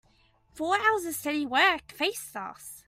Four hours of steady work faced us.